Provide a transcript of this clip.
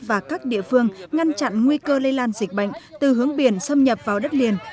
và các địa phương ngăn chặn nguy cơ lây lan dịch bệnh từ hướng biển xâm nhập vào đất liền